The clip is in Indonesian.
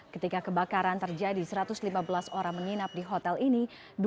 ketika kebakaran terjadi satu ratus lima belas orang menginap di hotel ini